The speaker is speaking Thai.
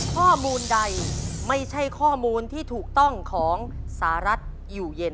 ข้อมูลใดไม่ใช่ข้อมูลที่ถูกต้องของสหรัฐอยู่เย็น